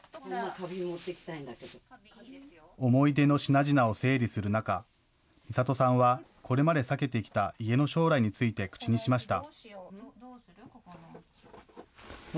思い出の品々を整理する中、みさとさんはこれまで避けてきた家の将来について口にしました。